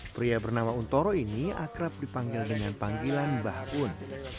pria bernama untoro ini akrab dipanggil dengan panggilan mbah un